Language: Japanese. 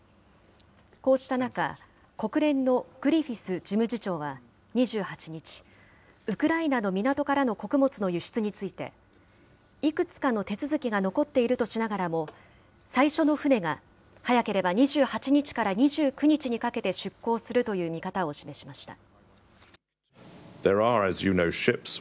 こうした中、国連のグリフィス事務次長は２８日、ウクライナの港からの穀物の輸出について、いくつかの手続きが残っているとしながらも、最初の船が早ければ２８日から２９日にかけて出港するという見方を示しました。